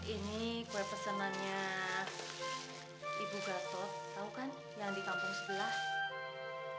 ini kue pesanannya ibu gatot tau kan yang di kampung sebelah